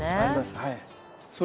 はい。